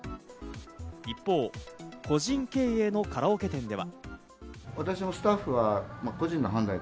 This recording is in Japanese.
一方、個人経営のカラオケ店では。